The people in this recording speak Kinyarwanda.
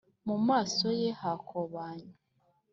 mu maso ye hakobanye